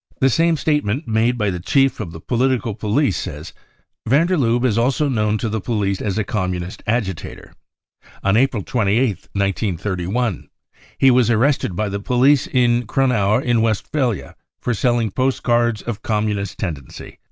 The same statement made by the chief of the political police says :Van der Lubbe is also known to the police as a Com munist agitator. ... On April 28th, 1931, he was arrested by the police in Gronau in Westphalia for selling post cards of Communist tendency."